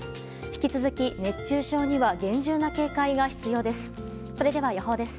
引き続き熱中症には厳重な警戒が必要です。